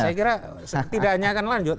ya saya kira setidaknya akan lanjut